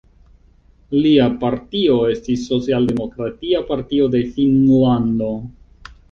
Lia partio estis Socialdemokratia Partio de Finnlando.